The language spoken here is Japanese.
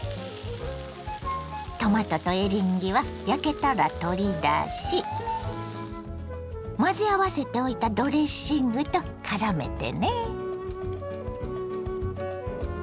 トマトとエリンギは焼けたら取り出し混ぜ合わせておいたドレッシングとからめてね。